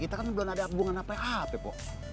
kita kan belum ada hubungan apa apa ya pok